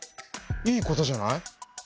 いいことじゃない？